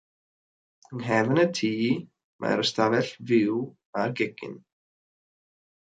Yng nghefn y tŷ mae'r ystafell fyw a'r gegin.